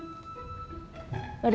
kekir orang biasa